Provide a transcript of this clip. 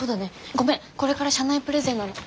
ごめんこれから社内プレゼンなの。